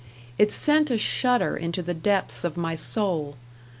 It sent a shudder into the depths of my soul.